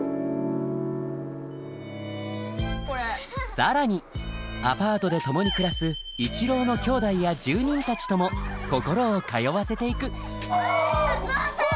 更にアパートで共に暮らす一郎のきょうだいや住人たちとも心を通わせていくゾウさん！